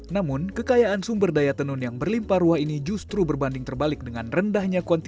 namun kekayaan sumber daya tenun yang berlimpah ruah ini justru berbanding terbalik dengan rendahnya konten